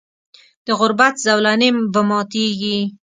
د غربت زولنې به ماتیږي.